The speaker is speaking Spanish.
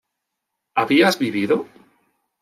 ¿habías vivido?